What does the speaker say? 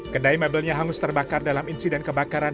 kedai mebelnya hangus terbakar dalam insiden kebakaran